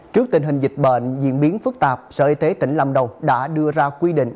trước tình hình dịch bệnh diễn biến phức tạp sở y tế tỉnh lâm đồng đã đưa ra quy định